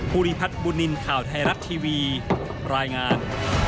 ภูริพัฒน์บุญนินทร์ข่าวไทยรัฐทีวีรายงาน